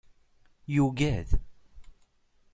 Yuggad.